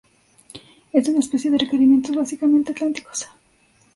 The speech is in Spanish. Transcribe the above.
Es una especie de requerimientos básicamente atlánticos.